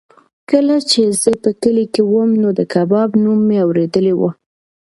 کله چې زه په کلي کې وم نو د کباب نوم مې اورېدلی و.